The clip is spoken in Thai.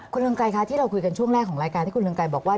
คุณเรืองไกรคะที่เราคุยกันช่วงแรกของรายการที่คุณเรืองไกรบอกว่า